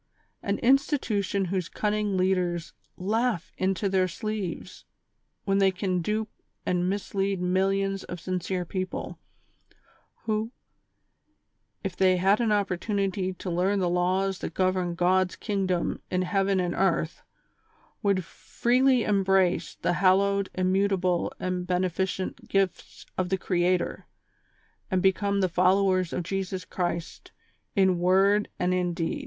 An institution whose cunning leaders laugh into their sleeves when they can dupe and mislead millions of sincere people, who, if they had an opportunity to learn the laws that govern God's kingdom in heaven and earth, w^ould freely embrace the hallowed, immutable and beneficent gifts of the Creator, and become the followers of Jesus Christ in word and in deed.